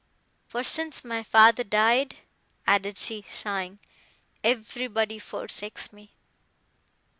—"For since my father died," added she, sighing, "everybody forsakes me."